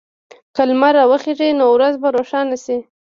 که لمر راوخېژي، نو ورځ به روښانه شي.